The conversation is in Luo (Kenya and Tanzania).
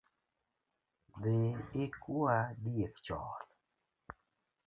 Dhi ikua diek chon